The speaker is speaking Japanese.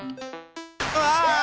うわ！